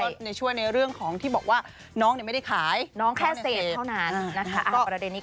ในช่วยในเรื่องของที่บอกว่าน้องเนี่ยไม่ได้ขายน้องแค่เสพเท่านั้นนะคะ